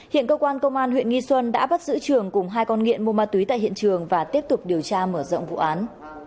hiện cơ quan công an huyện nghi xuân đã bắt giữ trường cùng hai con nghiện mua ma túy tại hiện trường và tiếp tục điều tra mở rộng vụ án